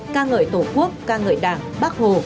ca ngợi tổ quốc ca ngợi đảng bác hồ